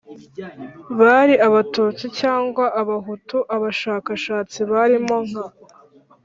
Bari abatutsi cyangwa abahutu abashakashatsi barimo nka